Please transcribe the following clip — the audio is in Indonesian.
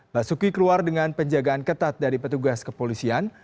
basuki keluar dengan penjagaan ketat dari petugas kepolisian